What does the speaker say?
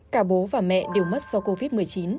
cả bố và mẹ đều mất do covid một mươi chín